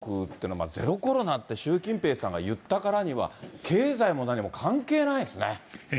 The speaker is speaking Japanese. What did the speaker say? これ、手嶋さん、やっぱり中国っていうのはゼロコロナって、習近平さんが言ったからには、経済も何も関係ないですね。